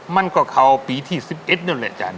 มันก็เข้าปีที่๑๑นั่นแหละจารย